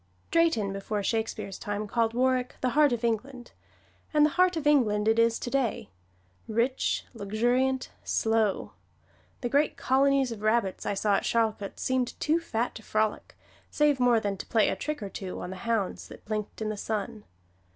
Drayton before Shakespeare's time called Warwick "the heart of England," and the heart of England it is today rich, luxuriant, slow. The great colonies of rabbits that I saw at Charlcote seemed too fat to frolic, save more than to play a trick or two on the hounds that blinked in the sun.